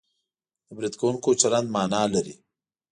د برید کوونکي چلند مانا لري